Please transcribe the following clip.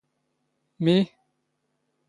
ⵎⵉ?